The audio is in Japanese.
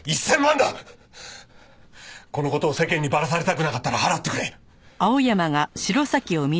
この事を世間にバラされたくなかったら払ってくれ。